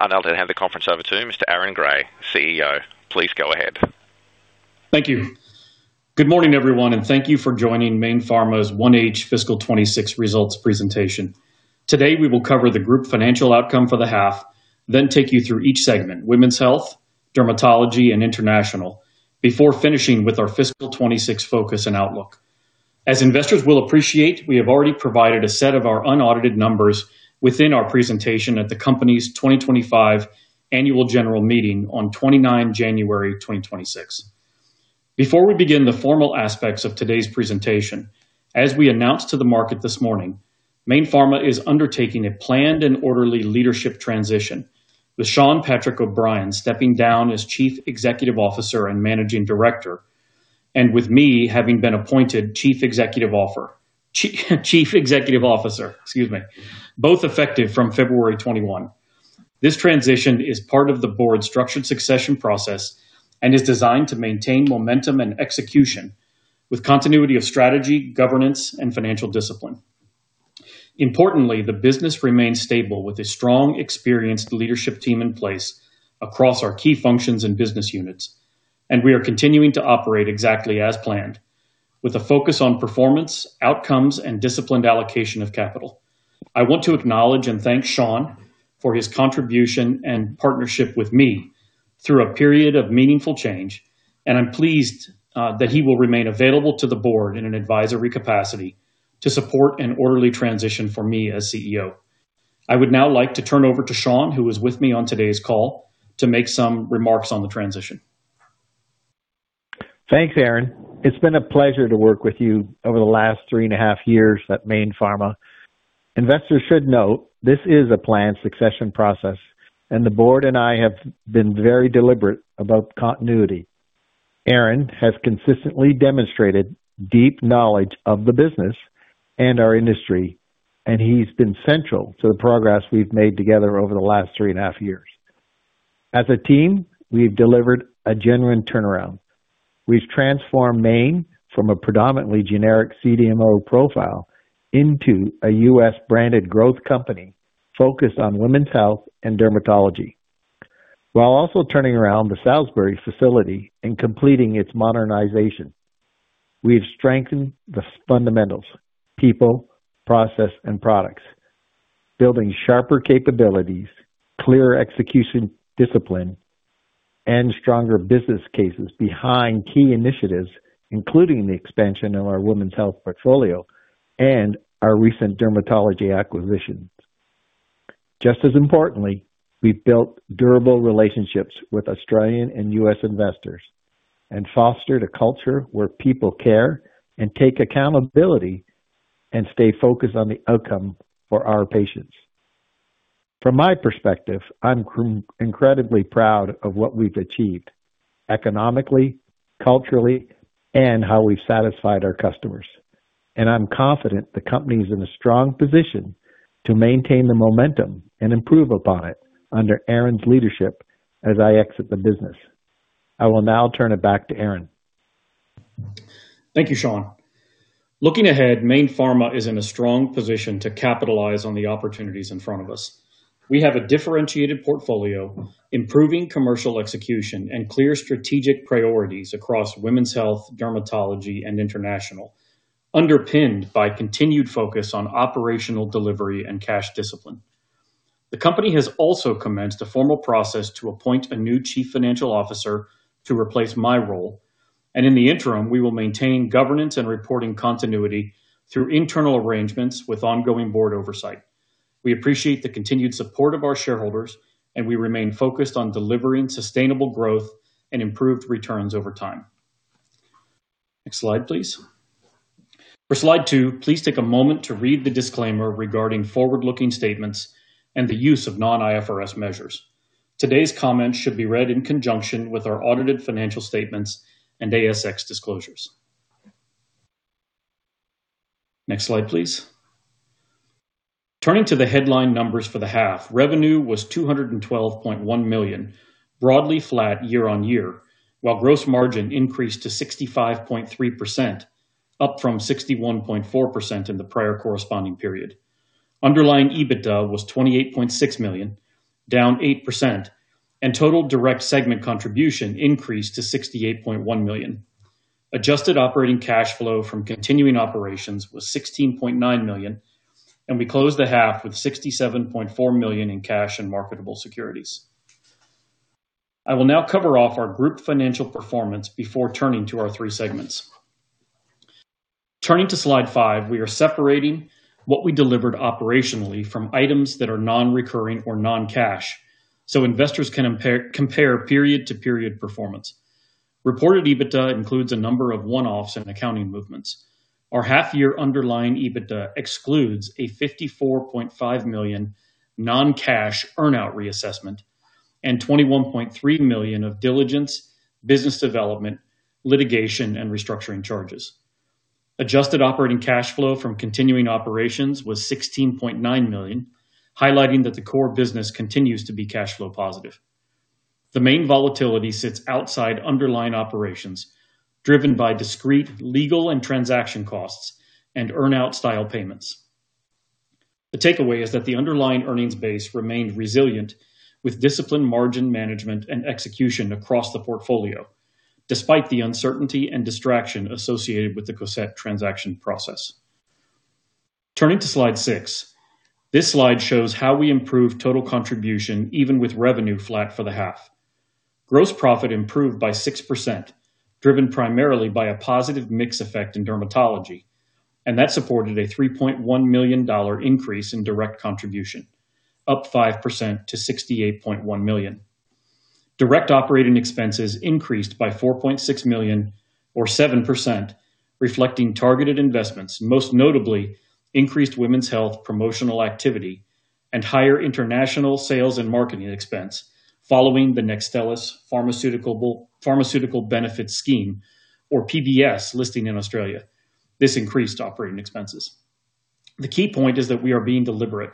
I'll now hand the conference over to Mr. Aaron Gray, CEO. Please go ahead. Thank you. Good morning, everyone, and thank you for joining Mayne Pharma's H1 Fiscal 2026 Results Presentation. Today, we will cover the group financial outcome for the half, then take you through each segment: women's health, dermatology, and international, before finishing with our fiscal 2026 focus and outlook. As investors will appreciate, we have already provided a set of our unaudited numbers within our presentation at the company's 2025 annual general meeting on 29 January 2026. Before we begin the formal aspects of today's presentation, as we announced to the market this morning, Mayne Pharma is undertaking a planned and orderly leadership transition, with Shawn Patrick O'Brien stepping down as Chief Executive Officer and Managing Director, and with me having been appointed Chief Executive Officer. Chief Executive Officer, excuse me, both effective from 21 February. This transition is part of the board's structured succession process and is designed to maintain momentum and execution with continuity of strategy, governance, and financial discipline. Importantly, the business remains stable with a strong, experienced leadership team in place across our key functions and business units. We are continuing to operate exactly as planned, with a focus on performance, outcomes, and disciplined allocation of capital. I want to acknowledge and thank Sean for his contribution and partnership with me through a period of meaningful change. I'm pleased that he will remain available to the board in an advisory capacity to support an orderly transition for me as CEO. I would now like to turn over to Sean, who is with me on today's call, to make some remarks on the transition. Thanks, Aaron. It's been a pleasure to work with you over the last three and a half years at Mayne Pharma. Investors should note, this is a planned succession process, and the board and I have been very deliberate about continuity. Aaron has consistently demonstrated deep knowledge of the business and our industry, and he's been central to the progress we've made together over the last three and a half years. As a team, we've delivered a genuine turnaround. We've transformed Mayne from a predominantly generic CDMO profile into a U.S. branded growth company focused on women's health and dermatology, while also turning around the Salisbury facility and completing its modernization. We've strengthened the fundamentals, people, process, and products, building sharper capabilities, clear execution discipline, and stronger business cases behind key initiatives, including the expansion of our women's health portfolio and our recent dermatology acquisitions. Just as importantly, we've built durable relationships with Australian and U.S. investors and fostered a culture where people care and take accountability, and stay focused on the outcome for our patients. From my perspective, I'm incredibly proud of what we've achieved economically, culturally, and how we've satisfied our customers, and I'm confident the company is in a strong position to maintain the momentum and improve upon it under Aaron's leadership as I exit the business. I will now turn it back to Aaron. Thank you, Sean. Looking ahead, Mayne Pharma is in a strong position to capitalize on the opportunities in front of us. We have a differentiated portfolio, improving commercial execution, and clear strategic priorities across women's health, dermatology, and international, underpinned by continued focus on operational delivery and cash discipline. The company has also commenced a formal process to appoint a new chief financial officer to replace my role, and in the interim, we will maintain governance and reporting continuity through internal arrangements with ongoing board oversight. We appreciate the continued support of our shareholders, and we remain focused on delivering sustainable growth and improved returns over time. Next slide, please. For Slide two, please take a moment to read the disclaimer regarding forward-looking statements and the use of non-IFRS measures. Today's comments should be read in conjunction with our audited financial statements and ASX disclosures. Next slide, please. Turning to the headline numbers for the half, revenue was 212.1 million, broadly flat year-on-year, while gross margin increased to 65.3%, up from 61.4% in the prior corresponding period. Total direct segment contribution increased to 68.1 million. Underlying EBITDA was AUD 28.6 million, down 8%. Adjusted operating cash flow from continuing operations was 16.9 million. We closed the half with 67.4 million in cash and marketable securities. I will now cover off our group financial performance before turning to our three segments. Turning to Slide five, we are separating what we delivered operationally from items that are non-recurring or non-cash, so investors can compare period-to-period performance. Reported EBITDA includes a number of one-offs and accounting movements. Our half-year underlying EBITDA excludes an 54.5 million non-cash earn-out reassessment and 21.3 million of diligence, business development, litigation, and restructuring charges. Adjusted operating cash flow from continuing operations was 16.9 million, highlighting that the core business continues to be cash flow positive. The main volatility sits outside underlying operations, driven by discrete legal and transaction costs and earn-out style payments. The takeaway is that the underlying earnings base remained resilient, with disciplined margin management and execution across the portfolio, despite the uncertainty and distraction associated with the Cosette transaction process. Turning to slide six. This slide shows how we improved total contribution, even with revenue flat for the half. Gross profit improved by 6%, driven primarily by a positive mix effect in dermatology, that supported a $3.1 million increase in direct contribution, up 5% to $68.1 million. Direct operating expenses increased by $4.6 million, or 7%, reflecting targeted investments, most notably increased women's health promotional activity and higher international sales and marketing expense, following the NEXTSTELLIS pharmaceutical, pharmaceutical benefit scheme, or PBS, listing in Australia. This increased operating expenses. The key point is that we are being deliberate,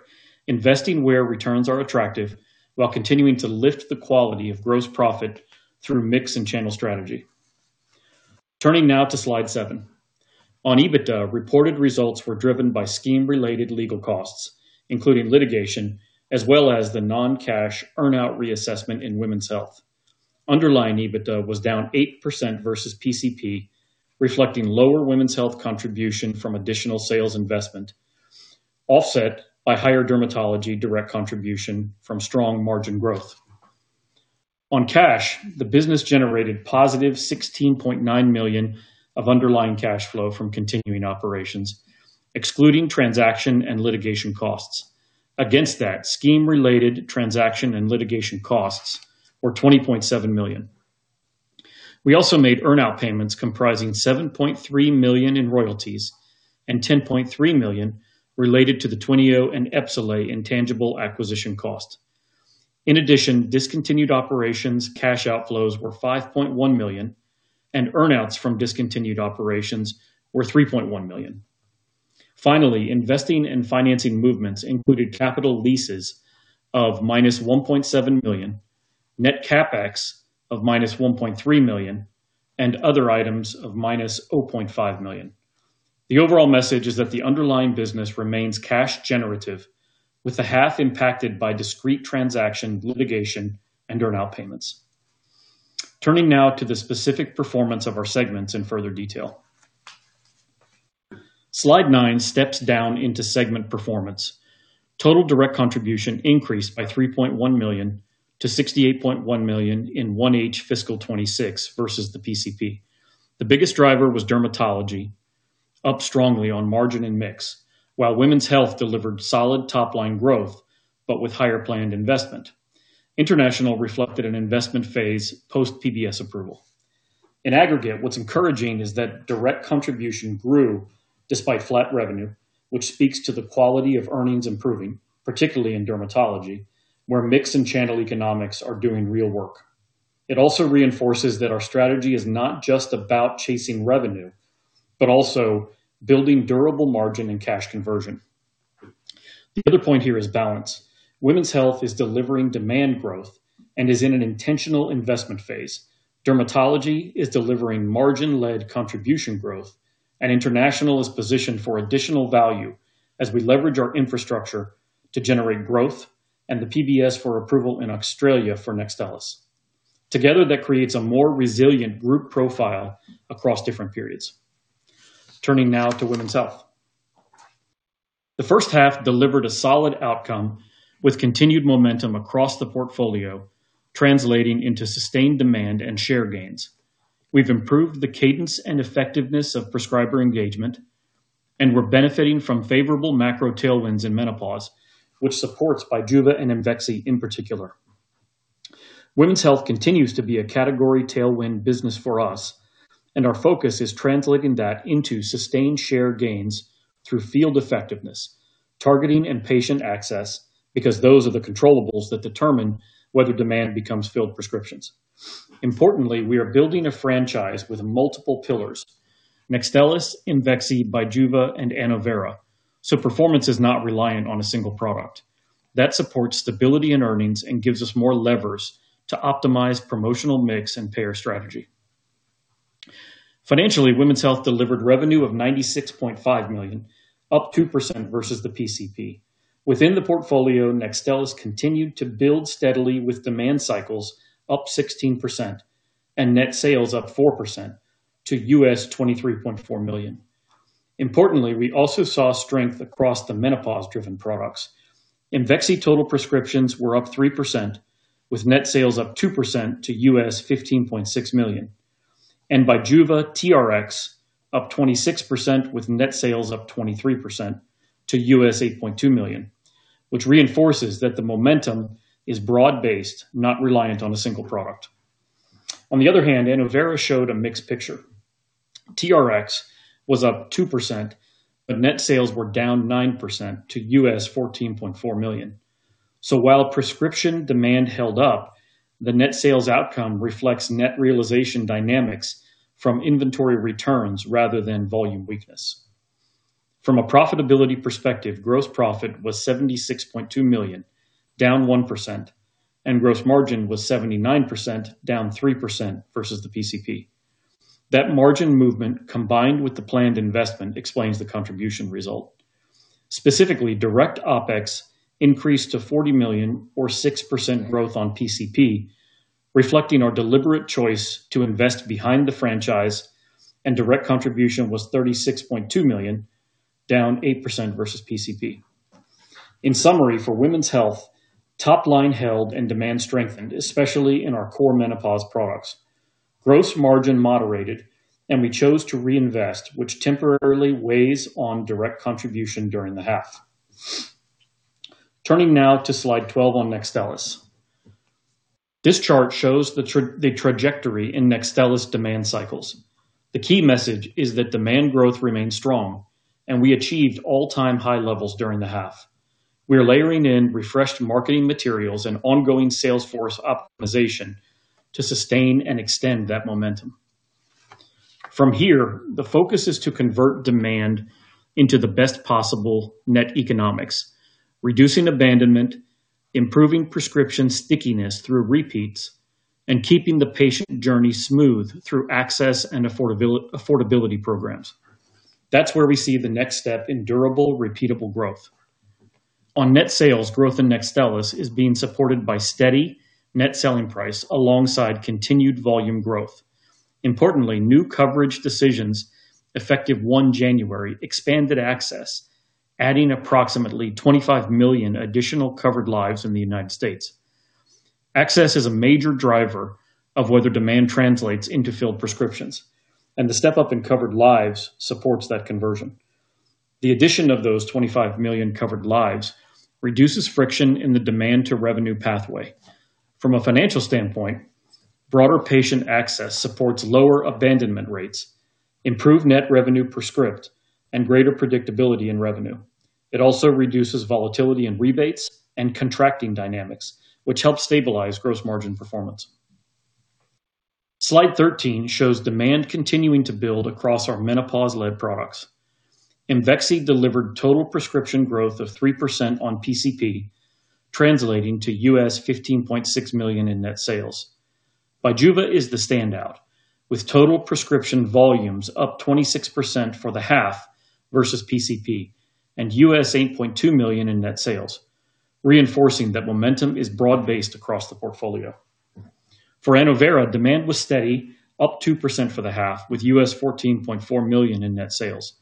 investing where returns are attractive, while continuing to lift the quality of gross profit through mix and channel strategy. Turning now to slide seven. On EBITDA, reported results were driven by scheme-related legal costs, including litigation, as well as the non-cash earn-out reassessment in women's health. Underlying EBITDA was down 8% versus PCP, reflecting lower women's health contribution from additional sales investment, offset by higher dermatology direct contribution from strong margin growth. On cash, the business generated +16.9 million of underlying cash flow from continuing operations, excluding transaction and litigation costs. Against that, scheme-related transaction and litigation costs were 20.7 million. We also made earn-out payments comprising 7.3 million in royalties and 10.3 million related to the TWYNEO and EPSOLAY intangible acquisition cost. In addition, discontinued operations cash outflows were 5.1 million, and earn-outs from discontinued operations were 3.1 million. Finally, investing and financing movements included capital leases of -1.7 million, net CapEx of -1.3 million, and other items of -0.5 million. The overall message is that the underlying business remains cash generative, with the half impacted by discrete transaction, litigation, and earn-out payments. Turning now to the specific performance of our segments in further detail. Slide nine steps down into segment performance. Total direct contribution increased by 3.1 million to 68.1 million in H1 fiscal 2026 versus the PCP. The biggest driver was dermatology, up strongly on margin and mix, while women's health delivered solid top-line growth, but with higher planned investment. International reflected an investment phase post-PBS approval. In aggregate, what's encouraging is that direct contribution grew despite flat revenue, which speaks to the quality of earnings improving, particularly in dermatology, where mix and channel economics are doing real work. It also reinforces that our strategy is not just about chasing revenue, but also building durable margin and cash conversion. The other point here is balance. Women's health is delivering demand growth and is in an intentional investment phase. Dermatology is delivering margin-led contribution growth. International is positioned for additional value as we leverage our infrastructure to generate growth and the PBS for approval in Australia for NEXTSTELLIS. Together, that creates a more resilient group profile across different periods. Turning now to women's health. The first half delivered a solid outcome with continued momentum across the portfolio, translating into sustained demand and share gains. We've improved the cadence and effectiveness of prescriber engagement. We're benefiting from favorable macro tailwinds in menopause, which supports BIJUVA and IMVEXXY in particular. Women's health continues to be a category tailwind business for us. Our focus is translating that into sustained share gains through field effectiveness, targeting and patient access, because those are the controllables that determine whether demand becomes filled prescriptions. Importantly, we are building a franchise with multiple pillars, NEXTSTELLIS, IMVEXXY, BIJUVA, and ANNOVERA, so performance is not reliant on a single product. That supports stability and earnings and gives us more levers to optimize promotional mix and payer strategy. Financially, women's health delivered revenue of $96.5 million, up 2% versus the PCP. Within the portfolio, NEXTSTELLIS continued to build steadily with demand cycles up 16% and net sales up 4% to $23.4 million. Importantly, we also saw strength across the menopause-driven products. IMVEXXY total prescriptions were up 3%, with net sales up 2% to $15.6 million. BIJUVA TRX up 26%, with net sales up 23% to $8.2 million, which reinforces that the momentum is broad-based, not reliant on a single product. On the other hand, ANNOVERA showed a mixed picture. TRX was up 2%, net sales were down 9% to $14.4 million. While prescription demand held up, the net sales outcome reflects net realization dynamics from inventory returns rather than volume weakness. From a profitability perspective, gross profit was $76.2 million, down 1%, and gross margin was 79%, down 3% versus the PCP. That margin movement, combined with the planned investment, explains the contribution result. Specifically, direct OpEx increased to $40 million or 6% growth on PCP, reflecting our deliberate choice to invest behind the franchise, and direct contribution was $36.2 million, down 8% versus PCP. In summary, for women's health, top line held and demand strengthened, especially in our core menopause products. Gross margin moderated, and we chose to reinvest, which temporarily weighs on direct contribution during the half. Turning now to slide 12 on NEXTSTELLIS. This chart shows the trajectory in NEXTSTELLIS demand cycles. The key message is that demand growth remains strong, and we achieved all-time high levels during the half. We are layering in refreshed marketing materials and ongoing Salesforce optimization to sustain and extend that momentum. From here, the focus is to convert demand into the best possible net economics, reducing abandonment, improving prescription stickiness through repeats, and keeping the patient journey smooth through access and affordability programs. That's where we see the next step in durable, repeatable growth. On net sales, growth in NEXTSTELLIS is being supported by steady net selling price alongside continued volume growth. Importantly, new coverage decisions, effective 1 January, expanded access, adding approximately 25 million additional covered lives in the United States. Access is a major driver of whether demand translates into filled prescriptions. The step up in covered lives supports that conversion. The addition of those 25 million covered lives reduces friction in the demand to revenue pathway. From a financial standpoint, broader patient access supports lower abandonment rates, improve net revenue per script, and greater predictability in revenue. It also reduces volatility in rebates and contracting dynamics, which helps stabilize gross margin performance. Slide 13 shows demand continuing to build across our menopause-led products. IMVEXXY delivered total prescription growth of 3% on PCP, translating to $15.6 million in net sales. BIJUVA is the standout, with total prescription volumes up 26% for the half versus PCP and $8.2 million in net sales, reinforcing that momentum is broad-based across the portfolio. For ANNOVERA, demand was steady, up 2% for the half, with $14.4 million in net sales.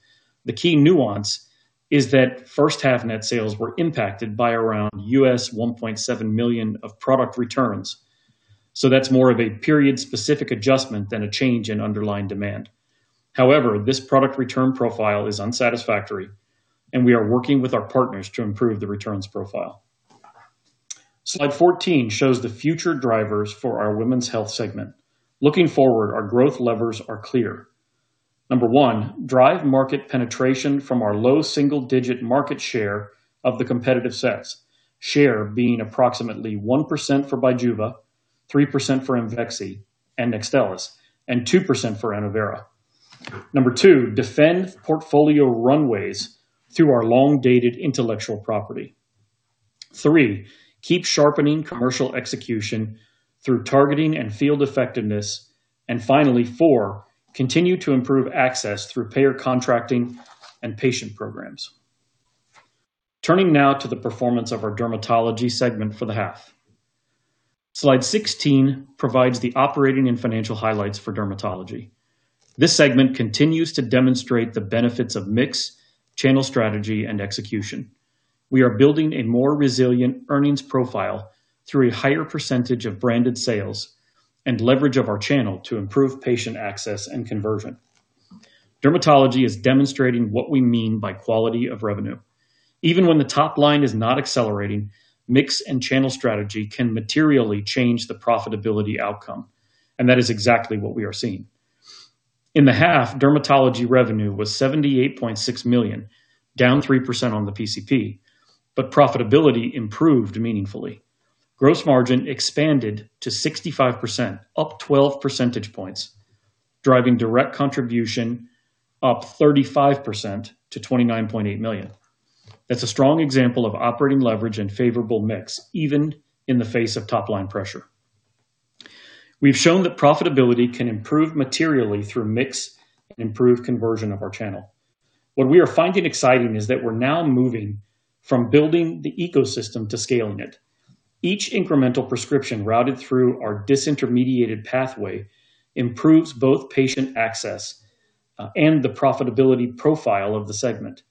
The key nuance is that first half net sales were impacted by around $1.7 million of product returns. That's more of a period-specific adjustment than a change in underlying demand. However, this product return profile is unsatisfactory, and we are working with our partners to improve the returns profile. Slide 14 shows the future drivers for our women's health segment. Looking forward, our growth levers are clear. Number one, drive market penetration from our low single-digit market share of the competitive sets. Share being approximately 1% for BIJUVA, 3% for IMVEXXY and NEXTSTELLIS, and 2% for ANNOVERA. Number two, defend portfolio runways through our long-dated intellectual property. Three, keep sharpening commercial execution through targeting and field effectiveness. Finally, 4, continue to improve access through payer contracting and patient programs. Turning now to the performance of our dermatology segment for the half. Slide 16 provides the operating and financial highlights for dermatology. This segment continues to demonstrate the benefits of mix, channel strategy, and execution. We are building a more resilient earnings profile through a higher % of branded sales and leverage of our channel to improve patient access and conversion. Dermatology is demonstrating what we mean by quality of revenue. Even when the top line is not accelerating, mix and channel strategy can materially change the profitability outcome, and that is exactly what we are seeing. In the half, dermatology revenue was 78.6 million, down 3% on the PCP, but profitability improved meaningfully. Gross margin expanded to 65%, up 12 percentage points, driving direct contribution up 35% to 29.8 million. That's a strong example of operating leverage and favorable mix, even in the face of top line pressure. We've shown that profitability can improve materially through mix and improved conversion of our channel. What we are finding exciting is that we're now moving from building the ecosystem to scaling it. Each incremental prescription routed through our disintermediated pathway improves both patient access and the profitability profile of the segment.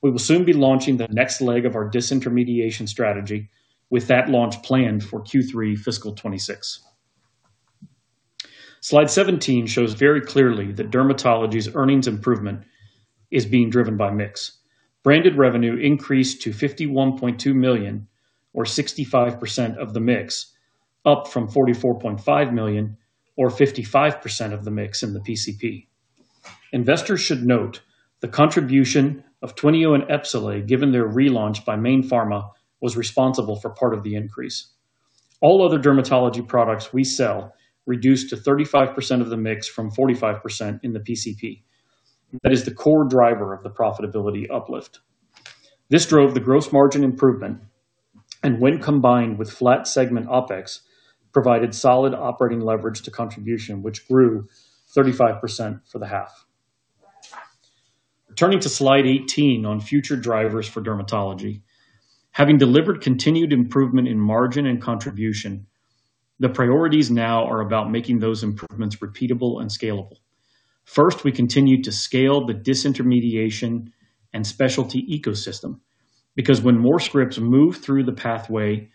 We will soon be launching the next leg of our disintermediation strategy with that launch planned for Q3 fiscal 2026. Slide 17 shows very clearly that dermatology's earnings improvement is being driven by mix. Branded revenue increased to $51.2 million, or 65% of the mix, up from $44.5 million, or 55% of the mix in the PCP. Investors should note the contribution of TWYNEO and EPSOLAY, given their relaunch by Mayne Pharma, was responsible for part of the increase. All other dermatology products we sell reduced to 35% of the mix from 45% in the PCP. That is the core driver of the profitability uplift. This drove the gross margin improvement, and when combined with flat segment OPEX, provided solid operating leverage to contribution, which grew 35% for the half. Turning to slide 18 on future drivers for dermatology. Having delivered continued improvement in margin and contribution, the priorities now are about making those improvements repeatable and scalable. First, we continue to scale the disintermediation and specialty ecosystem, because when more scripts move through the pathway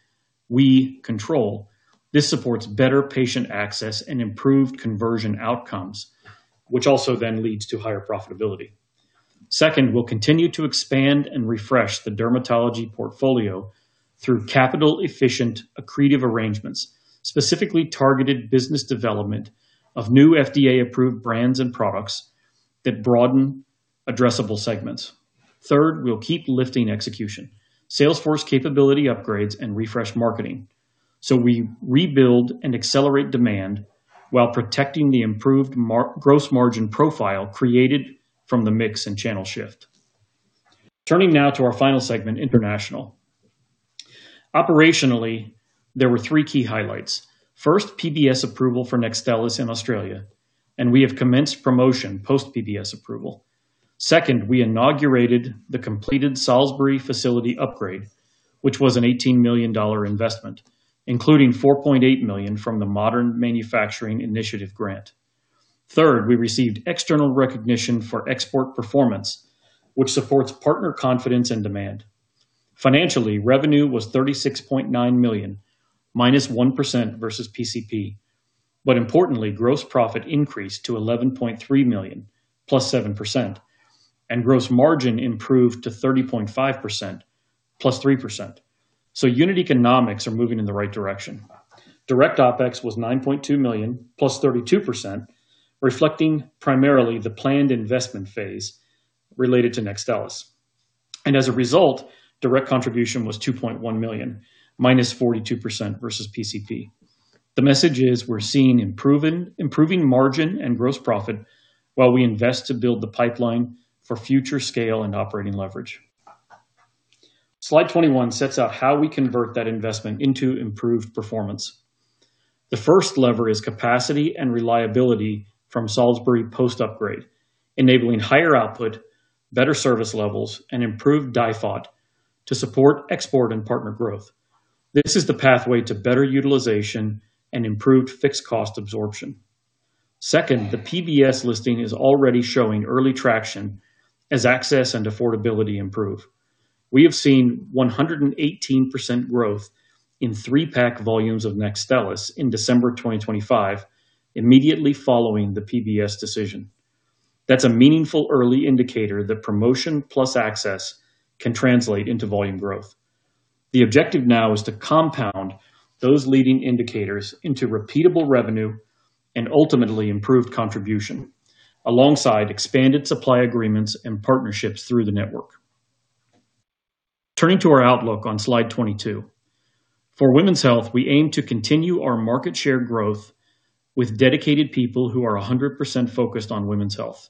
we control, this supports better patient access and improved conversion outcomes, which also then leads to higher profitability. Second, we'll continue to expand and refresh the dermatology portfolio through capital-efficient, accretive arrangements, specifically targeted business development of new FDA-approved brands and products that broaden addressable segments. Third, we'll keep lifting execution, Salesforce capability upgrades, and refresh marketing. We rebuild and accelerate demand while protecting the improved gross margin profile created from the mix and channel shift. Turning now to our final segment, international. Operationally, there were three key highlights. First, PBS approval for NEXTSTELLIS in Australia, and we have commenced promotion post-PBS approval. Second, we inaugurated the completed Salisbury facility upgrade, which was an 18 million dollar investment, including 4.8 million from the Modern Manufacturing Initiative Grant. Third, we received external recognition for export performance, which supports partner confidence and demand. Financially, revenue was $36.9 million, minus 1% versus PCP. Importantly, gross profit increased to $11.3 million, plus 7%, and gross margin improved to 30.5%, plus 3%. Unit economics are moving in the right direction. Direct OPEX was $9.2 million, plus 32%, reflecting primarily the planned investment phase related to NEXTSTELLIS. As a result, direct contribution was $2.1 million, minus 42% versus PCP. The message is we're seeing improving, improving margin and gross profit while we invest to build the pipeline for future scale and operating leverage. Slide 21 sets out how we convert that investment into improved performance. The first lever is capacity and reliability from Salisbury post-upgrade, enabling higher output, better service levels, and improved DIFOT to support export and partner growth. This is the pathway to better utilization and improved fixed cost absorption. Second, the PBS listing is already showing early traction as access and affordability improve. We have seen 118% growth in three-pack volumes of NEXTSTELLIS in December 2025, immediately following the PBS decision. That's a meaningful early indicator that promotion plus access can translate into volume growth. The objective now is to compound those leading indicators into repeatable revenue and ultimately improved contribution, alongside expanded supply agreements and partnerships through the network. Turning to our outlook on slide 22. For women's health, we aim to continue our market share growth with dedicated people who are 100% focused on women's health,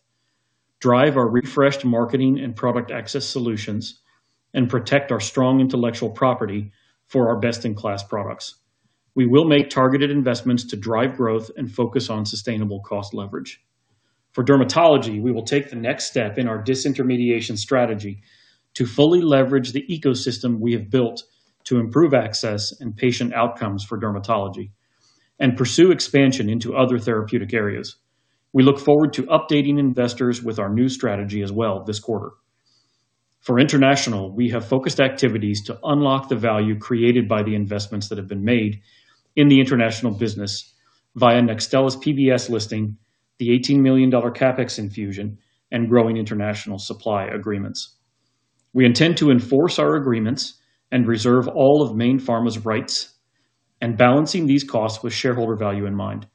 drive our refreshed marketing and product access solutions, and protect our strong intellectual property for our best-in-class products. We will make targeted investments to drive growth and focus on sustainable cost leverage. For dermatology, we will take the next step in our disintermediation strategy to fully leverage the ecosystem we have built to improve access and patient outcomes for dermatology and pursue expansion into other therapeutic areas. We look forward to updating investors with our new strategy as well this quarter. For international, we have focused activities to unlock the value created by the investments that have been made in the international business via NEXTSTELLIS PBS listing, the 18 million dollar CapEx infusion, and growing international supply agreements. We intend to enforce our agreements and reserve all of Mayne Pharma's rights and balancing these costs with shareholder value in mind.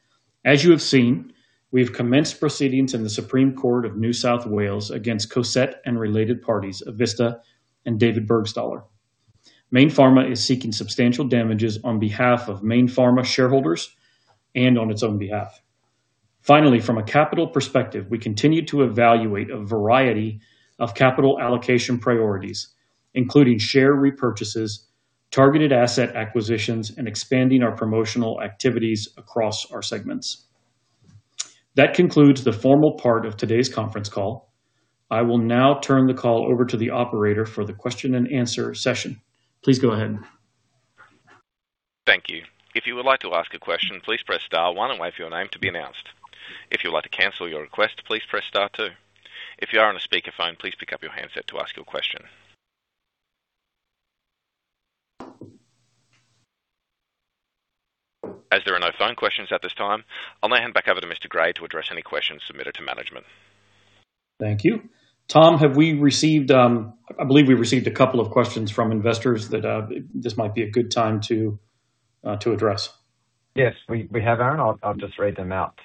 As you have seen, we have commenced proceedings in the Supreme Court of New South Wales against Cosette and related parties, Avista and David Burgstahler. Mayne Pharma is seeking substantial damages on behalf of Mayne Pharma shareholders and on its own behalf. Finally, from a capital perspective, we continue to evaluate a variety of capital allocation priorities, including share repurchases, targeted asset acquisitions, and expanding our promotional activities across our segments. That concludes the formal part of today's conference call. I will now turn the call over to the operator for the question-and-answer session. Please go ahead. Thank you. If you would like to ask a question, please press star one and wait for your name to be announced. If you would like to cancel your request, please press star two. If you are on a speakerphone, please pick up your handset to ask your question. As there are no phone questions at this time, I'll now hand back over to Mr. Gray to address any questions submitted to management. Thank you. Tom, have we received? I believe we received a couple of questions from investors that this might be a good time to address. Yes, we, we have, Aaron. I'll just read them out.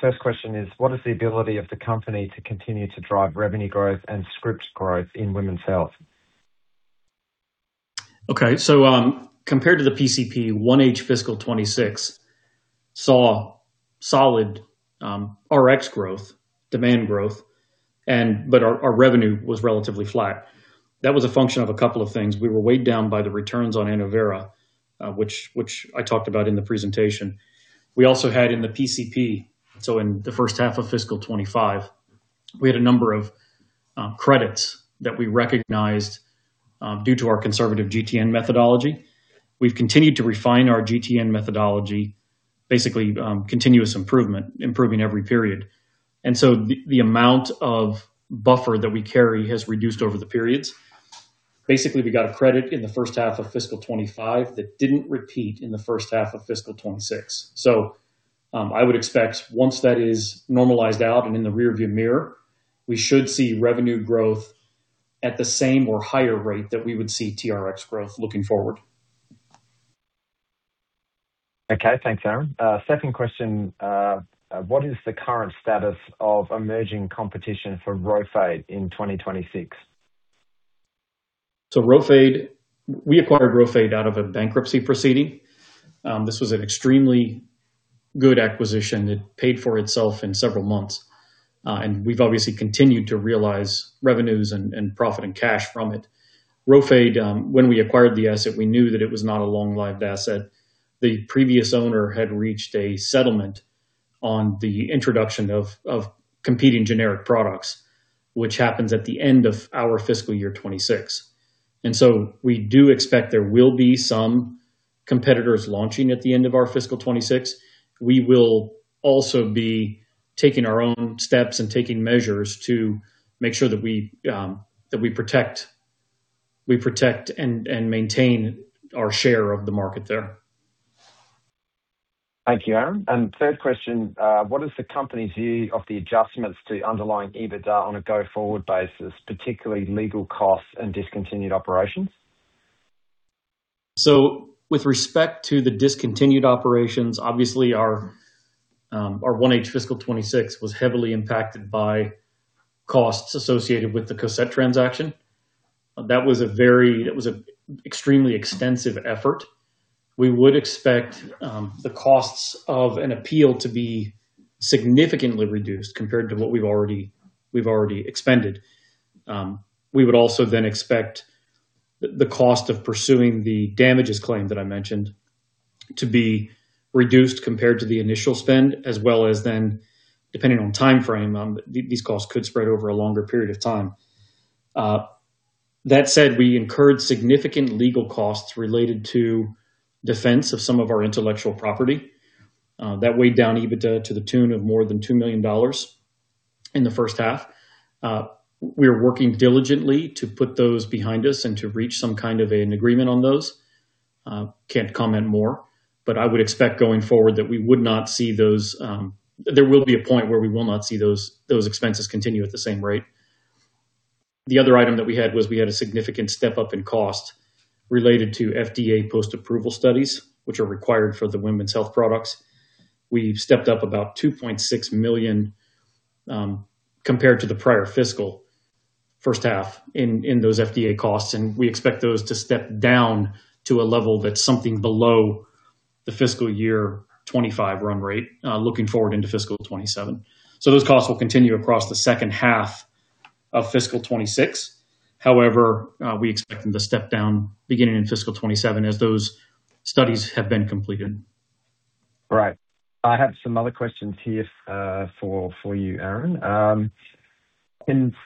First question is, what is the ability of the company to continue to drive revenue growth and scripts growth in women's health? Okay. Compared to the PCP, fiscal 2026 saw solid RX growth, demand growth, but our revenue was relatively flat. That was a function of a couple of things. We were weighed down by the returns on ANNOVERA, which I talked about in the presentation. We also had in the PCP, so in the first half of fiscal 2025, we had a number of credits that we recognized due to our conservative GTN methodology. We've continued to refine our GTN methodology, basically, continuous improvement, improving every period. So the amount of buffer that we carry has reduced over the periods. Basically, we got a credit in the first half of fiscal 2025 that didn't repeat in the first half of fiscal 2026. I would expect once that is normalized out and in the rearview mirror, we should see revenue growth at the same or higher rate that we would see TRX growth looking forward. Okay. Thanks, Aaron. Second question. What is the current status of emerging competition for RHOFADE in 2026? RHOFADE, we acquired RHOFADE out of a bankruptcy proceeding. This was an extremely good acquisition. It paid for itself in several months, and we've obviously continued to realize revenues and, and profit, and cash from it. RHOFADE, when we acquired the asset, we knew that it was not a long-lived asset. The previous owner had reached a settlement on the introduction of, of competing generic products, which happens at the end of our fiscal year 2026. We do expect there will be some competitors launching at the end of our fiscal 2026. We will also be taking our own steps and taking measures to make sure that we, that we protect, we protect and, and maintain our share of the market there. Thank you, Aaron. Third question. What is the company's view of the adjustments to underlying EBITDA on a go-forward basis, particularly legal costs and discontinued operations? With respect to the discontinued operations, obviously our H1 fiscal 2026 was heavily impacted by costs associated with the Cosette transaction. That was a very, that was an extremely extensive effort. We would expect the costs of an appeal to be significantly reduced compared to what we've already, we've already expended. We would also then expect the cost of pursuing the damages claim that I mentioned to be reduced compared to the initial spend, as well as then, depending on timeframe, these costs could spread over a longer period of time. That said, we incurred significant legal costs related to defense of some of our intellectual property. That weighed down EBITDA to the tune of more than 2 million dollars in the first half. We are working diligently to put those behind us and to reach some kind of an agreement on those. Can't comment more, but I would expect going forward that we would not see those. There will be a point where we will not see those, those expenses continue at the same rate. The other item that we had was we had a significant step up in cost related to FDA post-approval studies, which are required for the women's health products. We've stepped up about $2.6 million compared to the prior fiscal first half in those FDA costs, and we expect those to step down to a level that's something below the fiscal year 2025 run rate, looking forward into fiscal 2027. Those costs will continue across the second half of fiscal 2026. However, we expect them to step down beginning in fiscal 27 as those studies have been completed. Right. I have some other questions here for you, Aaron.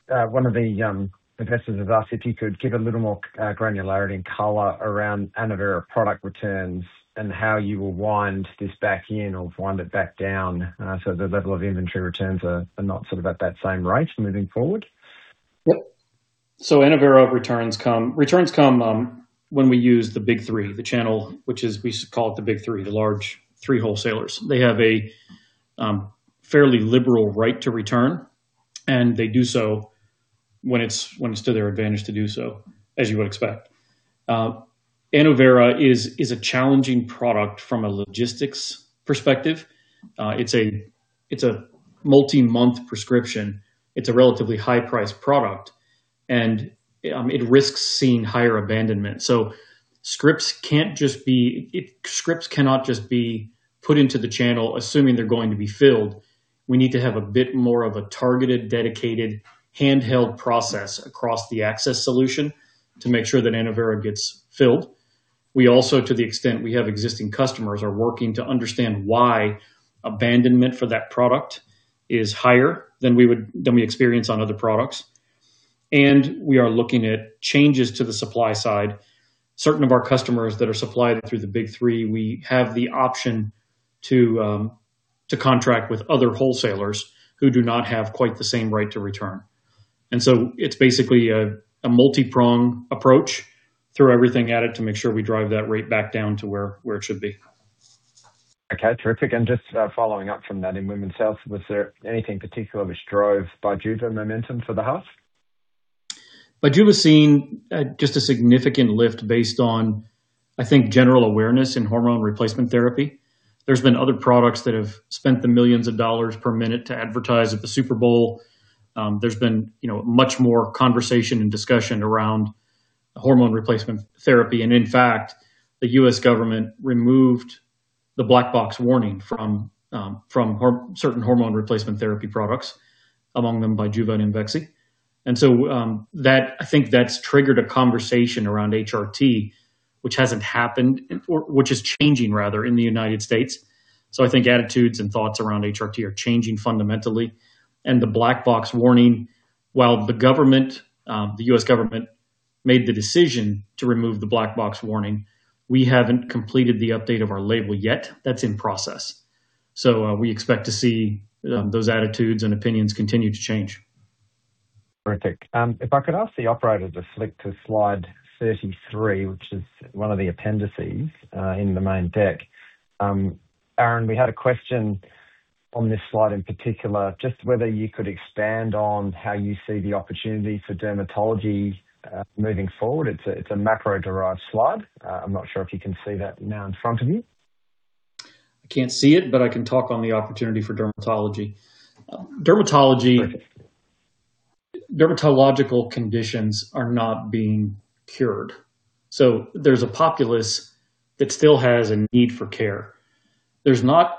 One of the investors have asked if you could give a little more granularity and color around ANNOVERA product returns and how you will wind this back in or wind it back down, so the level of inventory returns are not sort of at that same rate moving forward? Yep. ANNOVERA returns come returns come, when we use the Big Three, the channel, which is, we call it the Big Three, the large three wholesalers. They have a fairly liberal right to return, and they do so when it's, when it's to their advantage to do so, as you would expect. ANNOVERA is a challenging product from a logistics perspective. It's a multi-month prescription, it's a relatively high-priced product, and it risks seeing higher abandonment. Scripts can't just be scripts cannot just be put into the channel, assuming they're going to be filled. We need to have a bit more of a targeted, dedicated, handheld process across the access solution to make sure that ANNOVERA gets filled. We also, to the extent we have existing customers, are working to understand why abandonment for that product is higher than we would than we experience on other products. We are looking at changes to the supply side. Certain of our customers that are supplied through the Big Three, we have the option to contract with other wholesalers who do not have quite the same right to return. It's basically a, a multi-prong approach, throw everything at it to make sure we drive that rate back down to where, where it should be. Okay, terrific. Just, following up from that, in women's health, was there anything particular which drove BIJUVA momentum for the half? you've seen just a significant lift based on, I think, general awareness in hormone replacement therapy. There's been other products that have spent the millions of dollars per minute to advertise at the Super Bowl. There's been, you know, much more conversation and discussion around hormone replacement therapy. In fact, the U.S. government removed the black box warning from certain hormone replacement therapy products, among them BIJUVA and IMVEXXY. I think that's triggered a conversation around HRT, which hasn't happened, or which is changing rather, in the United States. I think attitudes and thoughts around HRT are changing fundamentally. The black box warning, while the government, the U.S. government made the decision to remove the black box warning, we haven't completed the update of our label yet. That's in process. We expect to see those attitudes and opinions continue to change. Terrific. If I could ask the operator to flick to slide 33, which is one of the appendices, in the main deck. Aaron, we had a question on this slide in particular, just whether you could expand on how you see the opportunity for dermatology moving forward. It's a, it's a macro-derived slide. I'm not sure if you can see that now in front of you. I can't see it, but I can talk on the opportunity for dermatology. Perfect. Dermatological conditions are not being cured, there's a populace that still has a need for care. There's not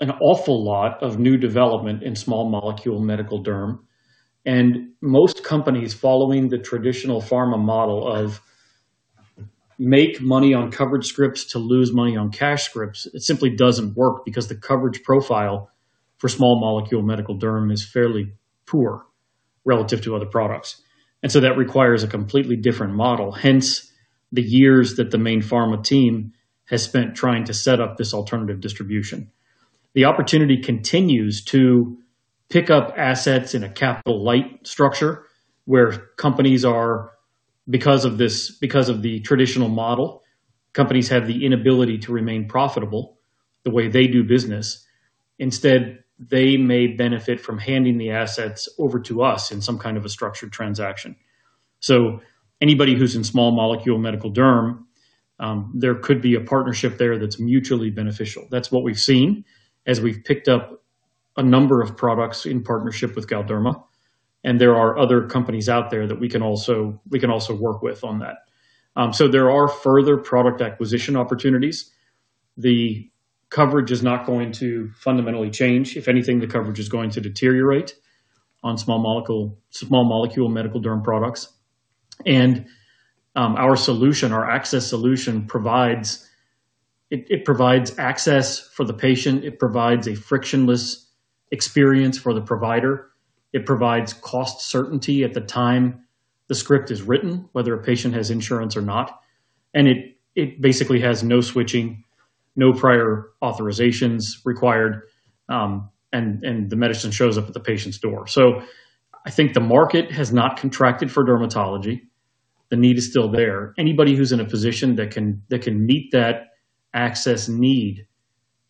an awful lot of new development in small molecule medical derm. Most companies following the traditional pharma model of make money on coverage scripts to lose money on cash scripts, it simply doesn't work because the coverage profile for small molecule medical derm is fairly poor relative to other products. That requires a completely different model, hence, the years that the Mayne Pharma team has spent trying to set up this alternative distribution. The opportunity continues to pick up assets in a capital light structure, where companies are because of this, because of the traditional model, companies have the inability to remain profitable the way they do business. Instead, they may benefit from handing the assets over to us in some kind of a structured transaction. Anybody who's in small molecule medical derm, there could be a partnership there that's mutually beneficial. That's what we've seen as we've picked up a number of products in partnership with Galderma, and there are other companies out there that we can also, we can also work with on that. There are further product acquisition opportunities. The coverage is not going to fundamentally change. If anything, the coverage is going to deteriorate on small molecule, small molecule medical derm products. Our solution, our access solution, provides it provides access for the patient, it provides a frictionless experience for the provider, it provides cost certainty at the time the script is written, whether a patient has insurance or not, and it, it basically has no switching, no prior authorizations required, and, and the medicine shows up at the patient's door. I think the market has not contracted for dermatology. The need is still there. Anybody who's in a position that can, that can meet that access need,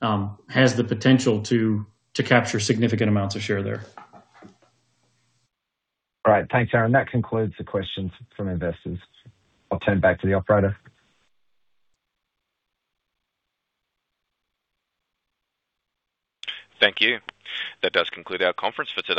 has the potential to, to capture significant amounts of share there. All right. Thanks, Aaron. That concludes the questions from investors. I'll turn back to the operator. Thank you. That does conclude our conference for today.